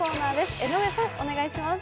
江上さんお願いします。